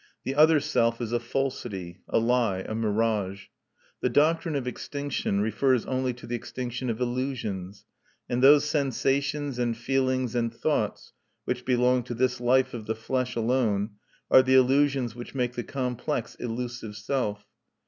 The other self is a falsity, a lie, a mirage. The doctrine of extinction refers only to the extinction of Illusions; and those sensations and feelings and thoughts, which belong to this life of the flesh alone, are the illusions which make the complex illusive self.